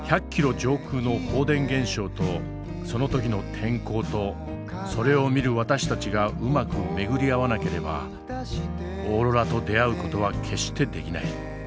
上空の放電現象とその時の天候とそれを見る私たちがうまく巡り合わなければオーロラと出逢う事は決してできない。